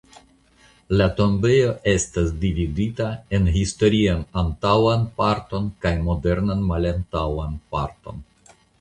La tombejo estas dividita en historian antaŭan parton kaj modernan malantaŭan parton.